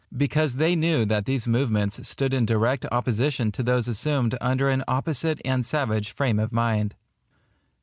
because they knew that these movements stood in direct opposition to those assumed under an opposite and savage frame of mind.